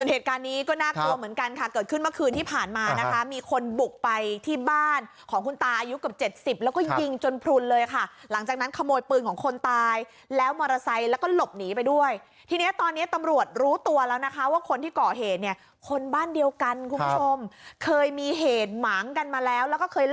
เหตุการณ์นี้ก็น่ากลัวเหมือนกันค่ะเกิดขึ้นเมื่อคืนที่ผ่านมานะคะมีคนบุกไปที่บ้านของคุณตาอายุเกือบเจ็ดสิบแล้วก็ยิงจนพลุนเลยค่ะหลังจากนั้นขโมยปืนของคนตายแล้วมอเตอร์ไซค์แล้วก็หลบหนีไปด้วยทีเนี้ยตอนนี้ตำรวจรู้ตัวแล้วนะคะว่าคนที่ก่อเหตุเนี่ยคนบ้านเดียวกันคุณผู้ชมเคยมีเหตุหมางกันมาแล้วแล้วก็เคย